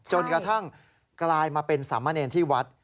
จนกระทั่งกลายมาเป็นสามเมอร์เนอร์ที่วัด